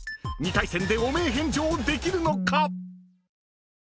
［２回戦で汚名返上できるのか⁉］